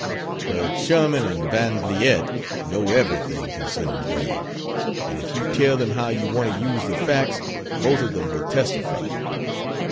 But Sherman and Van Vliet know everything concerning Grant; and if you tell them how you want to use the facts, both of them will testify.